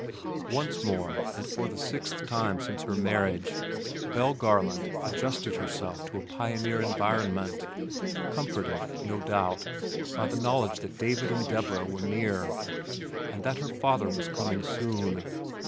Once more and for the sixth time since her marriage, Belle Garland adjusted herself to a pioneer environment, comforted no doubt by the knowledge that David and Deborah were near and that her father was coming soon.